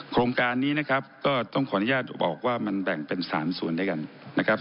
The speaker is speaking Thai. โครงการนี้นะครับก็ต้องขออนุญาตบอกว่ามันแบ่งเป็น๓ส่วนด้วยกันนะครับ